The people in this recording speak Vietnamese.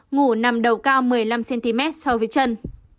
ngủ nằm đầu cao một mươi năm cm so với chân